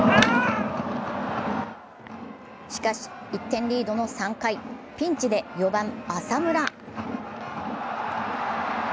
しかし、１点リードの３回、ピンチで４番・浅村。